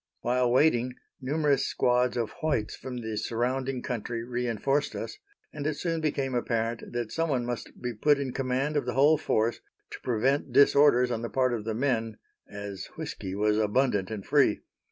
While waiting, numerous squads of whites from the surrounding country reenforced us, and it soon became apparent that someone must be put in command of the whole force, to prevent disorders on the part of the men, as whisky was abundant and free.